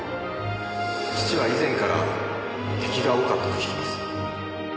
父は以前から敵が多かったと聞きます。